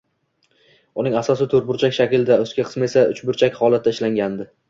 Uning asosi toʻrtburchak shaklda, ustki qismi esa uchburchak holatda ishlangandi